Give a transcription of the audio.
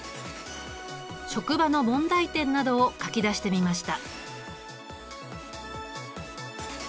職場の問題点などを書き出してみました。